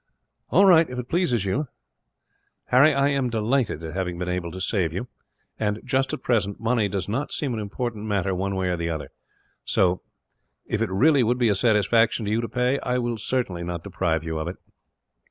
"All right, if it pleases you, Harry. I am delighted at having been able to save you and, just at present, money does not seem an important matter one way or the other; so if it really would be a satisfaction to you to pay, I will certainly not deprive you of it."